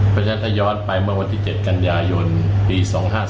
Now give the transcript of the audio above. แต่ชัยย้อนไปเมื่อวันที่๗กัญญายนต์ปี๒๕๒๑